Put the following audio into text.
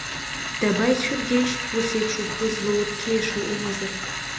Даба ицәыргеишь, усеиԥш ухы злаурқьиаша умазар!